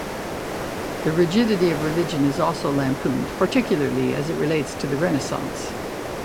The rigidity of religion is also lampooned, particularly as it relates to the Renaissance.